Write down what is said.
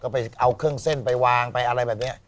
ไปเอาเครื่องเส้นไปวางไปอะไรแบบนี้